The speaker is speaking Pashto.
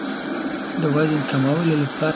د وزن کمولو لپاره یوازې سهارنۍ بسنه نه کوي.